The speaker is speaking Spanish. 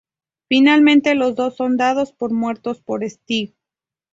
Finalmente los dos son dados por muertos por Stewie.